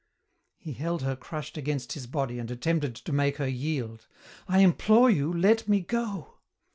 He held her crushed against his body and attempted to make her yield. "I implore you, let me go."